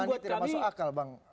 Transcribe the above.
pramoh sandi tidak masuk akal bang